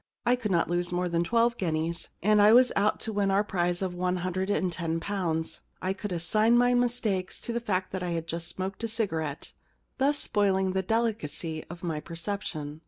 I could not lose more than twelve guineas, and I was out to win our prize of one hundred and ten pounds. I could assign my mistakes to the fact that I had just smoked a cigarette, thus spoiling the delicacy of my perception.